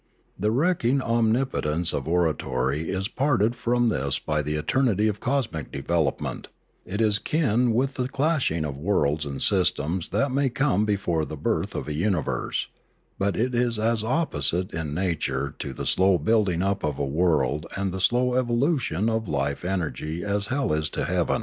The wrecking omnipotence of oratory is parted from this by the eternity of cosmic development; it is kin with the clashing of worlds and systems that may come before the birth of a universe; but it is as opposite in nature to the slow building up of a world and the slow evolution of its life energy as hell is to heaven.